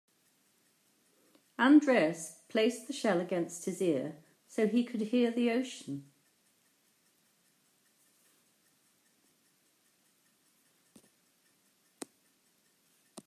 Andreas placed the shell against his ear so he could hear the ocean.